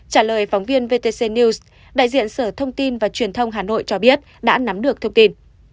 trả lời phóng viên vtc news đại diện sở thông tin và truyền thông hà nội cho biết đã nắm được thông tin